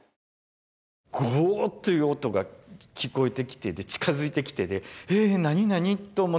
ゴーッ！という音が聞こえてきて近づいてきてええっ！？